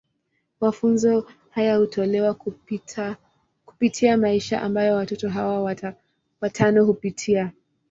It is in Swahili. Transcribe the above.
Mafunzo haya hutolewa kupitia maisha ambayo watoto hawa watano hupitia.